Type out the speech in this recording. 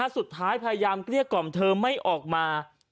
สุดท้ายพยายามเกลี้ยกล่อมเธอไม่ออกมา